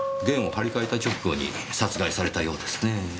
弦を張り替えた直後に殺害されたようですねぇ。